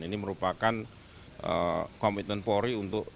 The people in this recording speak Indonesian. ini merupakan komitmen polri untuk